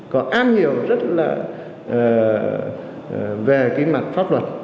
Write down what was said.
có am hiểu rất là về cái mặt pháp luật